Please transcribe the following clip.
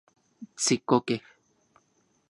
Tsikokej